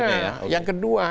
iya yang kedua